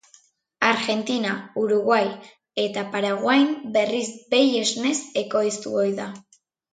Argentina, Uruguai eta Paraguain berriz behi esnez ekoiztu ohi da.